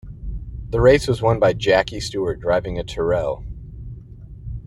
The race was won by Jackie Stewart driving a Tyrrell.